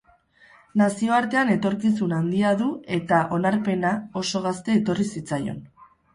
Nazioartean etorkizun handia du eta onarpena oso gazte etorri zitzaion.